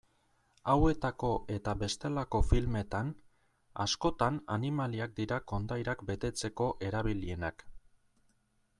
Hauetako eta bestelako filmetan, askotan animaliak dira kondairak betetzeko erabilienak.